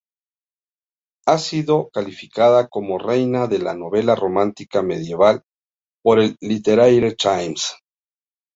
Ha sido calificada como "Reina de la novela romántica medieval" por el Literary Times.